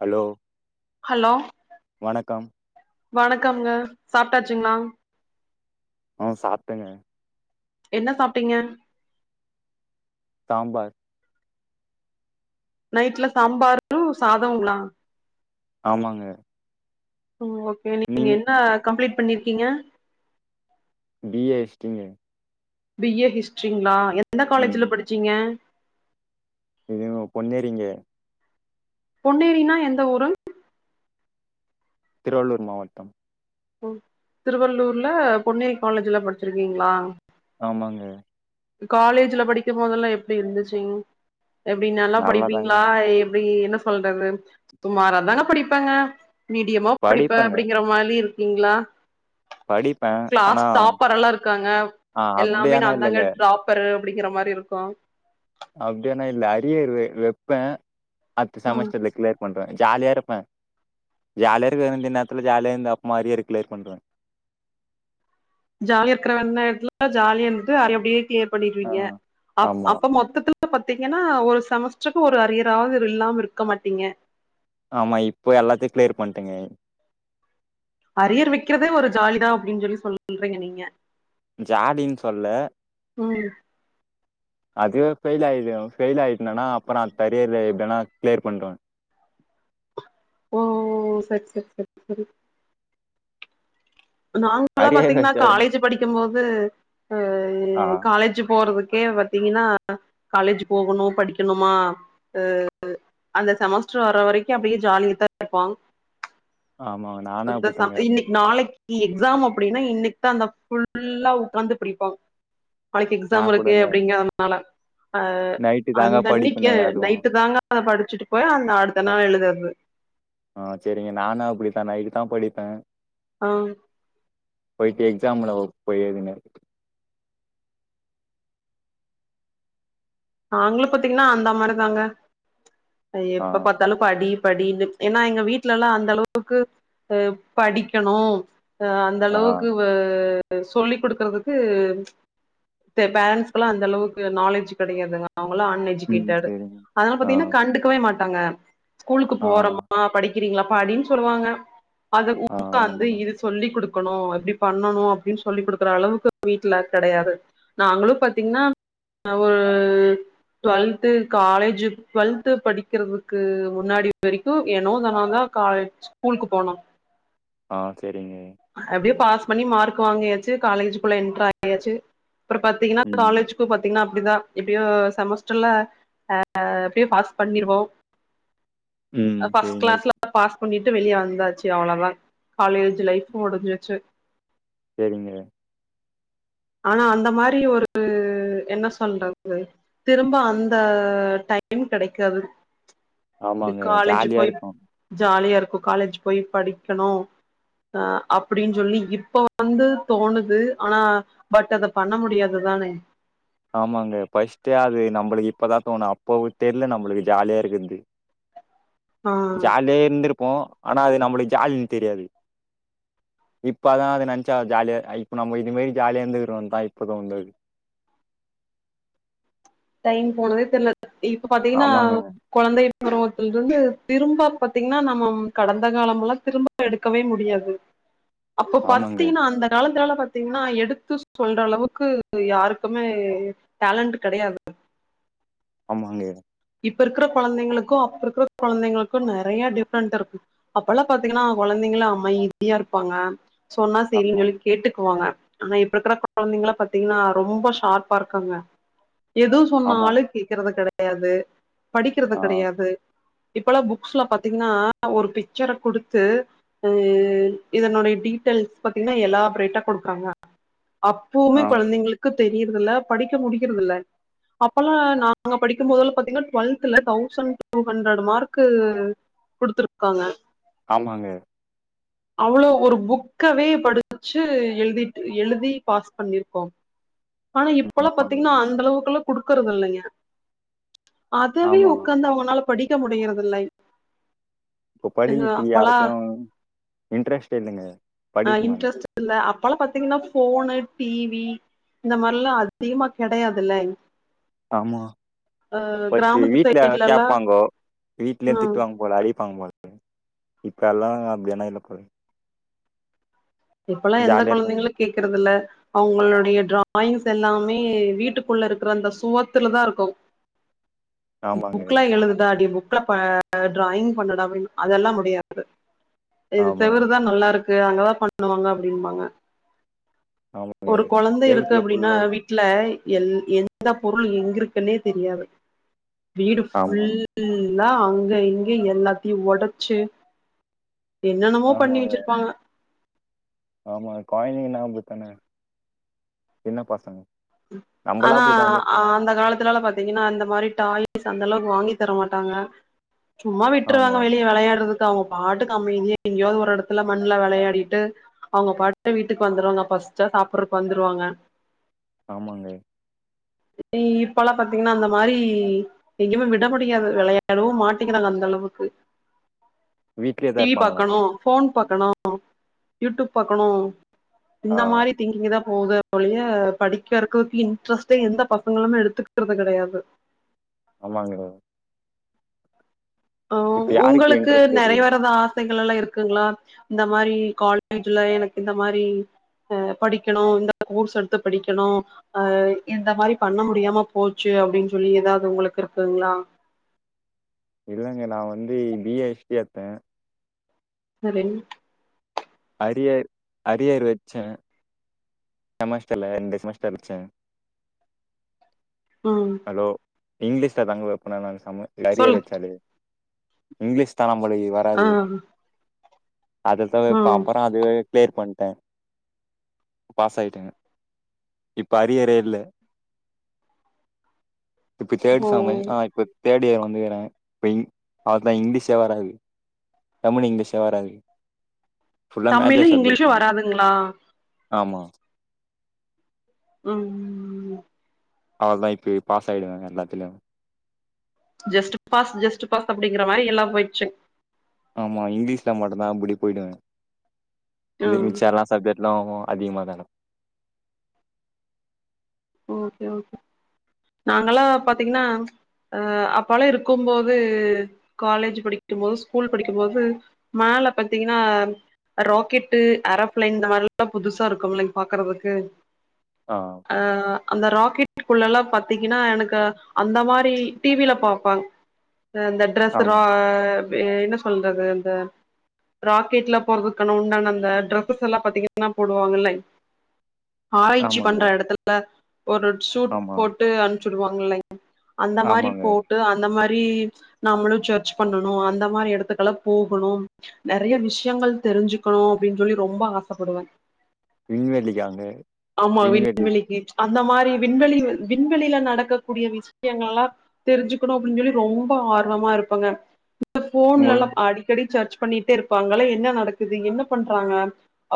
Hello hello வணக்கம் வணக்கம்ங்க சாப்ட்டாச்சுங்களா ஆ சாப்டங்க என்ன சாப்ட்டீங்க சாம்பார் நைட்ல சாம்பரு சாதோங்களா ஆமாங்க ம் ஓகே நீங்க என்ன கம்ப்ளீட் பண்ணிருக்கீங்க பி ஏ ஹிஸ்டரிங்க பி ஏ ஹிஸ்டரிங்களா எந்த காலேஜ்ல ம் படிச்சீங்க இதுவு பொன்னேரிங்க பொன்னேரின்னா எந்த ஊருங் திருவள்ளூர் மாவட்டம் ஓ திருவள்ளூர்ல பொன்னேரி காலேஜ்ல படிச்சிருக்கீங்களா ஆமாங்க காலேஜ்ல படிக்கும் போது தெல்லா எப்படி இருந்துச்சுங் எப்டி நல்லா நல்லாதாங்க படிப்பீங்களா எப்டி என்ன சொல்றது சுமாராதாங்க படிப்பங்க மீடியமா படிப்பே படிப்பேங்க அப்டிங்கற மாரி இரு ங்ளா படிப்பே க்ளாஸ் ஆனா டாப்பரெல்லா இருக்காங்க ஆ எல்லாமே அப்டியானா நாந்தாங்க இல்லங்க டாப் பரு அப்டிங்கிற மாரிருக்கு அப்டி யொன்னுயில்ல அரியரு வெ வெப்பே அட்த்த ம் செமஸ்டர்ல க்ளியிர் பண்றே ஜாலியா இருப்பே ஜாலியா இருக்க வேண்டிய இந்த நேர்த்துல ஜாலியா இந் அப் மாரியே க்ளியர் பண்றே ஜாலி இருக்கிற வேண் நேர்த்துல ஜாலியிருந்துட்டு அத அப்டியே க்ளியர் ஆ பண்ணிருவீங்க அப் ஆமா அப்ப மொத்தத்து [inaudible] பாத்தீங்கன்னா ஒரு செமஸ்ட்ருக்கு ஒரு அரியராவ்து இல்லாம இருக்க மாட்டீங்க ஆமா இப்ப எல்லாத்தையு க்ளியர் பண்டங்கே அரியர் வெக்கிறதே ஒரு ஜாலிதா அப்டின் சொல்லி சொல்றீங்க நீங்க ஜாலின் சொல்ல ம் அதுவே ஃபெயிலாய்டு ஃபெயல் ஆயிட்னனா அப்றோ அட்த்த அரியர்ல எப்டினா க்ளியர் பண்ருவே ஓ செர் செர் செரி செரி நாங்கெல்லா அரியர் பாத்தீங்ன்னா வச்சா காலேஜ் படிக்கும்போது அ இ ஆ காலேஜ்ஜு போறதுக்கே பா்த்தீங்கன்னா காலேஜ்ஜு போகணு படிக்கணுமா அ அந்த செமஸ்டர் வர்ற வரைக்கு அப்டியே ஜாலியத்தா இருப்பாங் ஆமா நானும் இந்த சம் அப்படித்தாங்க இருப்பேன். இன்னைக் நாளைக் கி எக்ஸாம் அப்டின்னா இன்னைக் தா அந்த ஃபுல்லா உக்காந்து படிப்பா நாளைக்கு எக்ஸாம் நான் இருக்கு கூடங்க அப்டிங்கறதுனால அ நைட்டு தாங்க அந்த அன்னைக்கு படிப்பேனே அதுவும். நைட்டு தாங்க அத படிச்சிட்டு போய் அந்த அடுத்த நாளு எழுதறது ஆ செரிங்க நானு அப்டித்தா நைட்டுதா படிப்பே ஆ போயிட்டு எக்ஸாம்ல போயி எழுதுனே நாங்களு பாத்தீங்கன்னா அந்த மாரிதாங்க ஆ, எப்ப பாத்தாலு படி படினு ஏனா எங்க வீட்ல எல்லா அந்தளவுக்கு அ படிக்கணு அந்த ஆ. அளவுக்கு சொல்லிக் குடுக்குறதுக்கு பே பேரண்ஸ்க்கெல்லா அந்த அளவுக்கு நாலேஜ் கெடயாதுங்க அவுங்கெல்லா அன் ம். எஜுகேட்டர் சரிங்க. அதனால ஆ, பாத்தீங்கன்னா கண்டுக் கவே மாட்டாங்க ஸ்கூலுக்கு ஆ, போறோமா படிக்கிறீங்ளா படின் சொல்லுவாங்க அது ஆ. உக்காந்து ஆமாங்க. இது சொல்லி் குடுக்கணு எப்டி பண்ணணு அப்டின் சொல்லி் குடுக்குற அளவுக்கு வீட்ல கெடையாது நாங்களு பாத்திங்ன்னா ஒரு டுவெல்த்து காலேஜ்ஜு ம். டுவெல்த் படி க்கிறதுக்கு முன்னாடி வரைக்கு ஏனோ தானோந்தா காலேஜ் ஸ்கூலுக்கு போனோ ஆ சேரிங்க அப்டியே பாஸ் பண்ணி மார்க் வாங்கியாச்சி காலேஜ்க்குள்ள என்ட்ரு ஆயாச்சி அப்றோ பாத்தீங்கன்னா ம், காலேஜுக்கு பாத்தீங்ன்னா அப்டித்தா எப்டியோ செமஸ்டர்ல அ எப்டியோ பாஸ் பண்ணிருவோ ம். அ ஃபஸ்ட் சரிங்க, க்ளாஸ்ல பாஸ் பண்ணிட்டு வெளிய வந்தாச்சி அவ்ளோதா காலேஜ் லைஃபு முடிஞ்சிருச்சி சேரிங்க ஆனா அந்த மாரி ஒரு என்ன சொல்றது திரும்ப அந்த டைம் கெடைக்காது இது ஆமாங்க. காலேஜ் ஜாலியா போய் இருக்கும். ஜாலியா இருக்கு காலேஜ் போய் படிக்கணு அ அப்டின் சொல்லி இப்ப வந்து தோனுது ஆனா பட் அத பண்ண முடியாது தானே ஆமாங்க ஃபஸ்ட்டே அது நம்பளுக் இப்பதா தோணு அப்போவு தெர்ல நம்முளுக்கு ஜாலியா இருக்கத்து ஆ ஜாலியா இருந்திருப்போ ஆனா அது நம்மளுக் ஜாலின் தெரியாது இப்பதா அது நென்ச்சா ஜாலியா இப்ப நம்ம இது மேரி ஜாலியா இருந்துக்கிறோன் தா இப்பதா வந்திருக்கு டைம் போனதே தெர்ல இப்ப பாத்தீங்கனா ஆமாங்க கொழந்தை பருவத்தில் இருந்து திரும்ப பாத்தீங்னா நம்மம் கடந்த காலம் எல்லா திரும்ப எடுக்கவே முடியாது அப்ப ஆமாங்க பத்தீங்கனா அந்த காலத்துல எல்லா பாத் தீங்னா எடுத்து சொல்ற அளவுக்கு யாருக்குமே டேலண்ட் கெடையாது ஆமாங்கே இப்ப இருக்கற கொழந்தைங்களுக்கு அப்ப இருக்கற கொழந்தைங்களுக்கு நெறைய டிஃப்ரெண்ட் இருக்கு அப்ப எல்லா பாத்தீங்கனா கொழந்தைங்கலா அமைதியா இருப்பாங்க சொன்னா செரின் ஆமா சொல்லி கேட்டுக்வாங்க ஆனா இப்ப இக்கிற கொழந்தைங்கள பாத்தீங்னா ரொம்ப ஷார்ப்பா இருக்காங்க எது ஆமா சொன்னாலு கேக்கறது கெடையாது படிக்கிறது ஆ கெடையாது இப்பெல்லா புக்ஸ்லா பாத்தீங்னா ஒரு பிச்சர குடுத்து உ எ எ இதனுடைய டீட்டெய்ல்ஸ் பாத்தீனா எல்லா ப்ரைட்டா குடுக்றாங்க அப்புமே ஆ கொழந்தைங்களுக் கு தெரியறது இல்ல படிக்க முடியிறதில்ல அப்பல்லா நாங்க படிக்கு போதெல்லா பாத்தீங்கனா டுவெல்த்ல தௌசண்ட் டூ ஹண்ட்ரட் மார்க்கு குடுத்துருக்காங்க ஆமாங்க அவ்ளோ ஒரு புக்கவே படிச்சி எழுதிட்டு எழுதி பாஸ் பண்ணிர்க்கோ ஆனா இப்பல்லா பாத்தீங்னா அந்த அளவுக்குளா குடுக்கறது இல்லைங்க அதவே ஆமா உக்காந்து அவங்கனால படிக்க முடியறதில்லை இப்ப படிக்கிறதுக்கு யாருக்கு இன்ட்ரெஸ்ட் இல்லங்க ஆ படிப்பு மேல இன்ட்ரெஸ்ட் இல்ல அப்பலா பாத்தீங்கனா ஃபோனு டி வி இந்த மார்லா அதிகமா கெடையாதில்ல ஆமா ஃபஸ்டு கிராமத்து வீட்ல சைடுலல்லா கேப்பாங்கோ வீட்ல ம் திட்டுவாங் போல அடிப்பாங் போல இப்பெல்லா அப்டியானா இல்ல தோழி இப்பல்லா எந்த ஜாலியா இருக்காங்க கொழந்தைங்களு கேக்கறது இல்ல அவுங்களுடைய டிராயிங்ஸ் எல்லாமே வீட்டுக்குள்ள இருக்கற அந்த சுவத்துல தா இருக்கு ஆமாங்க புக்லா எழுதுதா அப்டியே புக்ல ப அத டிராயிங் பண்ணலாமே அதெல்லா முடியாது இது ஆமா செவுருதா நல்லாருக்கு அங்கதா பண் ணுவாங்க அப்டிம்பாங்க ஆமா ஒரு கொழந்த இருக்கு அப்டினா வீ ட்ல எல் எந்த பொருள் எங்க இருக்கனே தெரியாது வீடு ஃபுல் ஆமா ல்லா அங்க இங்கயு எல்லாத்தியு ஒடச்சி என்னென்னமோ பண்ணி ஆமாங்க வச்சிருப்பாங்க ஆமா கொய்ந்தங்கனா அப்டித்தான சின்ன பசங்க நம்பளா ஆனா அப்டித்தா இருந்திருப்போ அந்த காலத்ல எல்லா பாத் தீங்கனா அந்த மாரி டாய்ஸ் அந்த அளவுக்கு வாங்கி தர மாட்டாங்க சும்மா ஆமா விட்டுருவாங்க வெளிய வெளையாடுறது அவங்க பாட்டுக்கு அமைதியா எங்கயோ ஒரு எடத்துல மண்ணுல வெளையாடிட்டு அவங்க பாட்டு வீட்டுக்கு வந்துடுவாங்க பஸ்ச்சா சாப்ர்றக்கு வந்துருவாங்க ஆமாங்க இ இப்பல்லாம் பாத்தீங்கன்னா அந்த மாரி எங்கயுமே விட முடியாது வெளையாடவும் மாட்டிக்கிறாங்க அந்த அளவுக்கு [inaudible] டீ இருப்பாங்களா பாக்கணும் ஃபோன் பாக்கணும் யூ டூப் பாக்கணும் ஆ இந்த மாரி திங்கிங் தா போத ஒளிய படிக் கறக்கும் தி இன்ட்ரெஸ்ட்டே எந்த பசங்களுமே எடுத்துக்கிறது கெடையாது ஆமாங்க இப்ப ம் யாருக்கு உங்களுக்கு இன்ட்ரெஸ்ட் நெறை இருக்கு வெரதா துகளலா இருக்குங்களா இந்த மாரி கால்லேஜ்ல எனக்கு இந்த மாரி அ படிக்கணும் இந்த கோர்ஸ் எடுத்து படிக்கணும் அ இந்த மாரி பண்ண முடியாம போச்சு அப்டின் சொல்லி ஏதாது ஒங்களுக் இருக்குங்ளா இல்லங்க நான் வந்து பி ஹச் டி எத்தேன் சரிங் அரியர் அரியர் வச்சேன் நமஸ்டர்ல ரெண்டு செமஸ்டர் வச்சேன் ம் லோ இங்கிலீஷ்ல தாங்க நாங்க ஒரு சம்மு சொல் அரியர் வச்சது இங்கிலீஷ் தா நம்மலுக்கு வர் ஆ அதுதவ் பா ம் அப்புறம் அதுவே கிளியர் பண்டேன் பாஸ் ஆயிட்டேன் இப்ப அரியரே இல்ல இப்ப ஓ கேட்டுச்சா மு ஆ இப்ப தேட் இயர் வந்துகுறேன் இப்ப இ அதான் இங்கிலீஷே வராது தமிழ் இங்கிலீஷே வராது ஃபுல்லா மேஜர் தமிழும் சப்ஜெக்ட் இங்கிலீஷும் தா வராதுங்ளா ஆமா ம் அவ்ளதா இப்பி பாஸ் ஆயிடுவேன் எல்லாத்துலயும் ஜஸ்ட் பாஸ் ஜஸ்ட்பாஸ் அப்டிங்கற மாரி எல்லாம் போயிடுச்சு ஆமா இங்கிலீஷ்ல மட்டும்தான் இப்டி போயிடுவேன் இது ம் மிச்ச எல்லா சப்ஜெட் லோமு அதிகமா தான ஓகே ஓகே நாங்கலா பாத்தீங்கன்னா அ அப்பலா இருக்கும்போது காலேஜ் படிக்கும்போது ஸ்கூல் படிக்கும்போது மல பாத்தீங்கன்னா ராக்கெட்டு ஏரோபிளைன் இந்த மாதிரி எல்லாம் புதுசா இருக்கும்ல பாக்குறதுக்கு ஆ அ ஆ அந்த ராக்கெட் குள்ள எல்லாம் பாத்தீங்கன்னா எனக்கு அந்த மாரி டி வி ல பாப்பாங் இந்த ட்ரெஸ் ரோ ஆமா என்ன சொல்றது இந்த ராக்கெட்லா போறதுக்கான உண்டான அந்த டிரெஸஸ் எல்லாம் பாத்தீங்கன்னா போடுவாங்கல்ல ஆராய்ச்சி ஆமாங்க பண்ற எடத்துல ஒரு சூட் ஆமா போட்டு அனுப்சிடுவாங்கல்லே அந்த மாரி ஆமாங்க போ டு அந்த மாரி நம்மளு சர்ச் பண்ணணு அந்த மாரி இடத்துக்கலா போகணு நெறய விஷயங்கள் தெரிஞ்சுக்கணு அப்டின் சொல்லி ரொம்ப ஆசைப்படுவ விண்வெளிக்காங்க ஆமா விண்வெளி விண்வெளிக்கி அந்த மாரி விண்வெளி விண்வெளில நடக்கக் கூடிய விஷயங்கள்லா தெரிஞ்சுக்கணு அப்டின் சொல்லி ரொம்ப ஆர்வமா இருப்பாங்க இந்த உங்களு ஃபோன்லல்லா அடி அடிக்கடி சர்ச் பண்ணிட்டே இருப்பாங்களே என்ன நடக்குது என்ன பண்றாங்க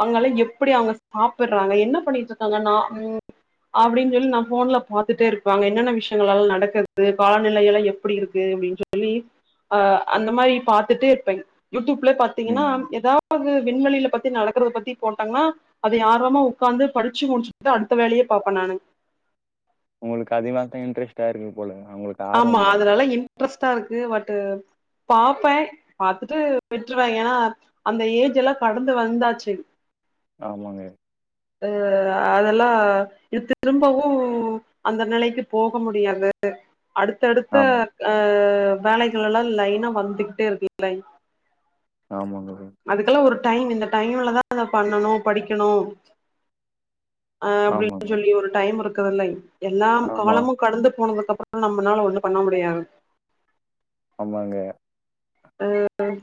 அவங்கல்லா எப்டி அவங்க சாப்டுறாங்க என்ன பண்ணிட்டு இருக்காங்க நா அப்டின் சொல்லி நா ஃபோன்ல பாத்துட்டே இருப்பாங்க என்னென்ன விஷயங்களா நடக்குது காலநிலையல்லா எப்டி இருக்கு அப்டின் சொல் ழி அந்த மாரி பாத்துட்டு இருப்பேங்க யூடியூப்ல பாத்தீங்கனா ம் எதா வது விண்வெளில பத்தி நடக்குறத பத்தி போட்டாங்கனா அத ஆர்வமா உக்காந்து படிச்சு முடிச்சுட்டுதா அடுத்த வேலய பாப்ப நானு உங்களுக்கு அதுதா இப்ப இன்ட்ரெஸ்டா இருக்கு போல அவங்களுக்கு ஆமா அதுனால இன்ட்ரெஸ்ட்டா இருக்கு பட்டு் பாப்பே பாத்துட்டு விட்ருவ ஏனா அந்த ஏஜ் எல்லா கடந்து வந்தாச்சு ஆமாங்க அ அதெல்லா இது திரும்பவு அந்த நிலைக்கு போக முடியாது அடுத்தடுத்த ஆமா அ வேலைகள் எல்லா லைனா வந்துகிட்டே இருக்கு ஆமாங்க அதுக்கெல்லா ஒரு டைம் இந்த டைம்லதா அத பண்ணணு படிக்கணு அ அப்டின் ஆமாங்க சொல்லி ஒரு டைம் இருக்குதுல்ல எல்லா ஆமா காலமு கடந்து போனதுக்கு அப்பற நம்மளால ஒன்னு பண்ண முடியாது ஆமாங்க ம்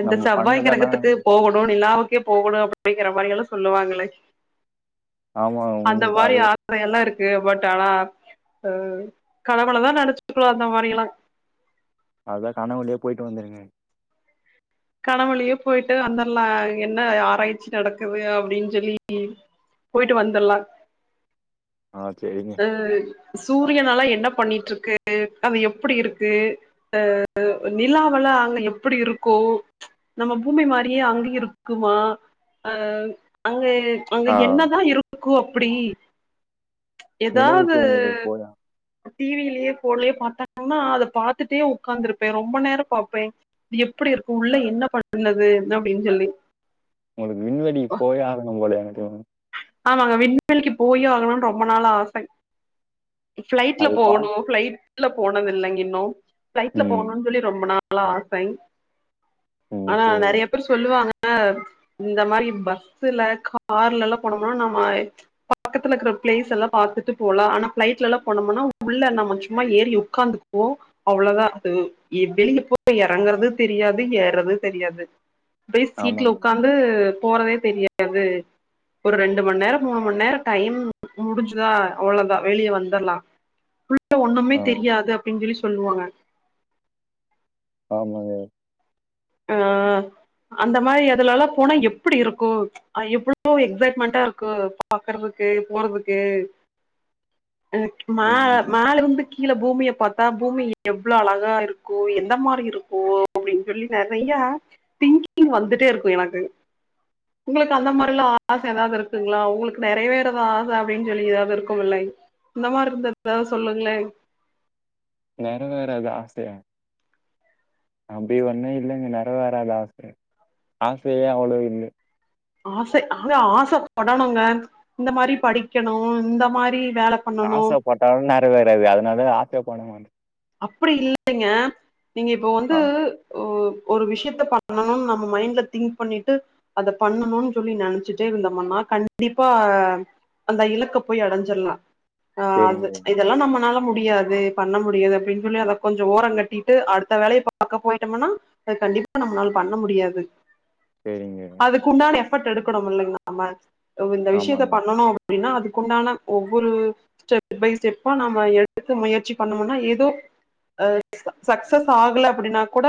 இந்த நம்ம செவ்வாய் பண்ணதானா கிரகத்துக்கு போகணு நிலாவுக்கே போகணு அப்டிங்கிற மாரி எல்லா சொல்லுவாங்களே ஆமா அந்த உங்களுக்கு மாரி அது அதுயெல்லா இருக்கு பட் ஆனா அ கனவுலதா நெனச்சுக்கனு அந்த மாரி எல்லா அதா கனவுலயே போய்ட்டு வந்துருங்க கனவுலயே போய்ட்டு வந்தர்லா என்ன ஆராய்ச்சி நடக்குது அப்டின் சொல்லி போய்ட்டு வந்துர்லா ஆ செரிங்க சூரியனாலா என்ன பண்ணிட்ருக்கு அது எப்டி இருக்கு அ நிலாவலா அங்க எப்டி இருக்கு நம்ம பூமி மாரியே அங்க இருக்குமா அ அங்க அங்க ஆ என்னதா இருக் கு அப்டி எதாது நிலவுக்கு உங்களுக்கு போயா டிவிலயே போன்லயே பாத்தாங்கனா அத பாத்துட்டே உக்காந்துருப்பே ரொம்ப நேர பாப்பே எப்டி இருக்கு உள்ள என்ன பண்ணது அப்டின் சொல்லி உங்களுக்கு விண்வெளி போயே ஆகணு போல எனக்கு [unintelligible] ஆமாங்க விண்வெளிக்கு போயே ஆகணுன் ரொம்ப நாளா ஆசை ஃபிளைட்ல அது பா போகணு ஃபிளைட்ல போனது இல்லைங்க இன்னு ஃபிளைட்ல ம். போகணுன் சொல்லி ரொம்ப நாளா ஆசை ம். ஆனா சரிங்க. நெறய பேர் சொல்லுவாங்க இந்த மாரி பஸ்ல கார்லல்லா போனம்னா நம்ம பக்கத்துல இருக்குற பிளேஸ் எல்லா பாத்துட்டு போலா ஆனா ஃபிளைட்லல்லா போனோம்னா உள்ள நம்ம சும்மா ஏறி உக்காந்துக்குவோ அவ்ளோதா அது இப்டினு போய் இறங்குறது தெரியாது ஏர்றது தெரியாது அப்டி சீட்ல ஆமாங்க. உக்காந்து போறதே தெரியாது ஒரு ரெண்டு மண் நேரம் மூணு மண் நேரம் டைம் முடிஞ்சுதா அவ்ளோதா வெளிய வந்தர்லா ஒண்ணுமே ஆமா. தெரியாது அப்டின் சொல்லி சொல்லுவாங்க ஆமாங்க அ அந்த மாரி அதுலல்லா போனா எப்டி இருக்கு அ எவ்ளோ எக்ஸைட்மெண்ட்டா இருக்கு பாக்குறதுக்கு போறதுக்கு எனக்கு மா ம். மேல இருந்து கீழ பூமிய பார்த்தா பூமி எவ்ளோ அழகா இருக்கு எந்த மாரி இருக்கு அப்டின்னு சொல்லி நறைய திங்கிங் வந்துட்டே இருக்கு எனக்கு உங்களுக்கு அந்த மாரில ஆச ஏதாவது இருக்குங்ளா உங்களுக்கு நிறைவேற தா ஆச அப்டின்னு சொல்லி ஏதாவது இருக்கு இல்லை இந்த மாரி இருந்த எதாவது சொல்லுங்ளே நெற வேறாத ஆசையா அப்டி ஒண்ணு இல்லைங்க நெற வேறாதா ஆசை ஆசையே அவ்ளோ இல்லை ஆசை ஆங்க ஆசப்படணுங்க இந்த மாரி படிக்கணு இந்த மாரி வேல பண்ணணு ஆச பட்டாலு நெறைவேறாது அதனால ஆச பட மாட்ட அப்டி இல்லைங்க நீங்க இப்போ வந்து ஆ ஓ ஒரு விஷயத்த பண்ணணும்னு நம்ம மைண்ட்ல திங்க் பண்ணிட்டு அத பண்ணணுன்னு சொல்லி நெனச்சுட்டே இருந்தோமன்னா கண்டிப்பா அந்த இலக்க போய் அடஞ்சிர்லா ஆ அது சரிங்க, இதெல்லா நம்மனால முடியாது பண்ண முடியாது அப்டின் சொல்லி அத கொஞ்ச ஓரம் கட்டிட்டு அடுத்த வேலைய பாக்க போயிட்டோமன்னா அது ண்டிப்பா நம்னால பண்ண முடியாது சேரிங்க அதுக்கு உண்டான எஃபர்ட் எடுக்கணும் இல்லைங்க நம்ம இந்த விஷயத்த ஆமாங்க. பண்ணணு அப்டின்னா அதுக்குண்டான ஒவ்வொரு ஸ்டெப் பை ஸ்டெப்பா நம்ம எடுத்து முயற்சி பண்ணோம்னா ஏதோ அ சக்சஸ் ஆகல அப்டின்னா கூட